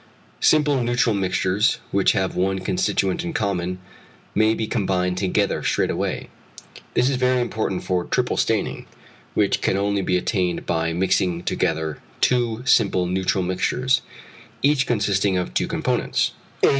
Simple neutral mixtures, which have one constituent in common, may be combined together straight away. This is very important for triple staining, which can only be attained by mixing together two simple neutral mixtures, each consisting of two components.